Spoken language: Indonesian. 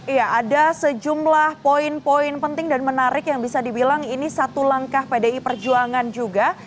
iya ada sejumlah poin poin penting dan menarik yang bisa dibilang ini satu langkah pdi perjuangan juga